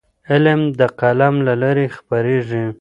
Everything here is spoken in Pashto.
علم د قلم له لارې خپرېږي.